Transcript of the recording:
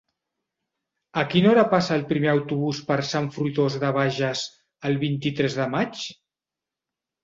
A quina hora passa el primer autobús per Sant Fruitós de Bages el vint-i-tres de maig?